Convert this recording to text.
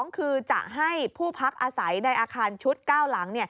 คือจะให้ผู้พักอาศัยในอาคารชุด๙หลัง